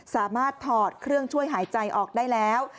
ถอดเครื่องช่วยหายใจออกได้แล้ว